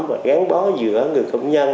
và gán bó giữa người công nhân